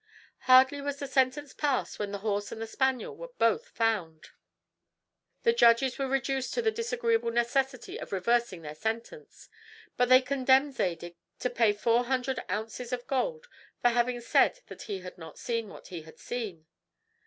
Hardly was the sentence passed when the horse and the spaniel were both found. The judges were reduced to the disagreeable necessity of reversing their sentence; but they condemned Zadig to pay four hundred ounces of gold for having said that he had not seen what he had seen.